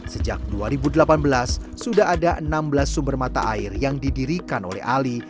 sejak dua ribu delapan belas sudah ada enam belas sumber mata air yang didirikan oleh ali